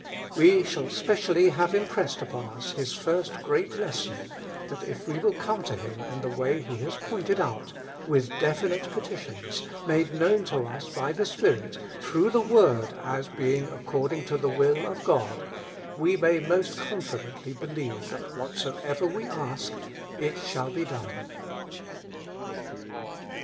"We shall specially have impressed upon us His first great lesson, that if we will come to Him in the way He has pointed out, with defi nite petitions, made known to us by the Spirit, through the word as being according to the will of God, we may most confi dently believe that whatsoever we ask it shall be done.